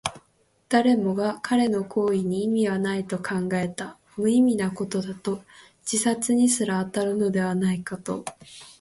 誰もが彼の行為に意味はないと考えた。無意味なことだと、自殺にすら当たるのではないかと。